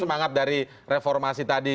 semangat dari reformasi tadi